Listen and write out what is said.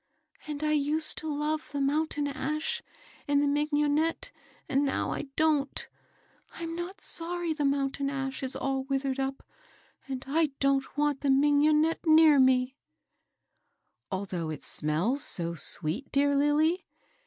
" And I used to love the mountain ash and the mignonette ; and now I don't I I'm not sorry the mountain ash is all withered up, and I don't want the mignonette near me," " WORK — WORK — WORK." 301 Although it smells so sweet, dear Lilly